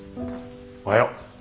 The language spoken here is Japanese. おはよう。